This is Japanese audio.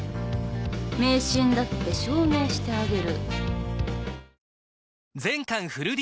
迷信だって証明してあげる。